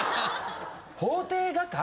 法廷画家？